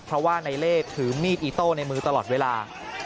เพราะว่าในเล่ถือมีดอิโต้ในมือตลอดเวลา